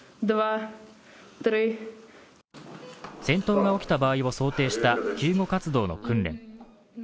戦闘が起きた場合を想定した救護活動の訓練。